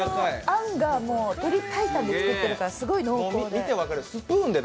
あんがもう鶏白湯で作ってるからすごい濃厚で。